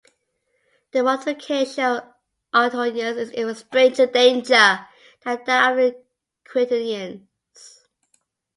The multiplication of octonions is even stranger than that of quaternions.